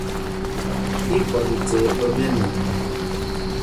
ịkwalite omenala